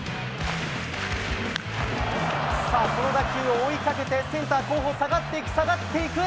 その打球を追いかけて、センター後方、下がっていく、下がっていく。